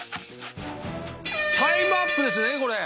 タイムアップですねこれ。